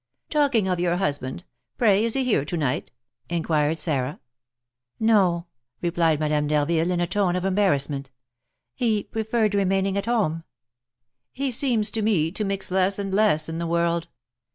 "Talking of your husband, pray is he here to night?" inquired Sarah. "No," replied Madame d'Harville, in a tone of embarrassment; "he preferred remaining at home." "He seems to me to mix less and less in the world."